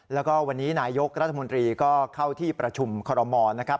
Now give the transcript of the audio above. แล้วก็วันนี้นายกรัฐมนตรีก็เข้าที่ประชุมคอรมอลนะครับ